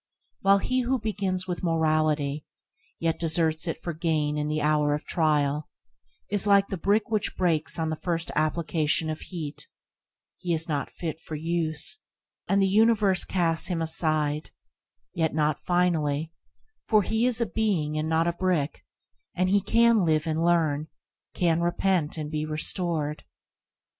While he who begins with morality, yet deserts it for gain in the hour of trial, is like the brick which breaks on the first application of heat; he is not fit for use, and the universe casts him aside, yet not finally, for he is a being, and not a brick; and he can live and learn, can repent and be restored.